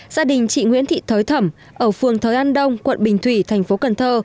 gia đình chị nguyễn thị thới thẩm ở phường thới an đông quận bình thủy thành phố cần thơ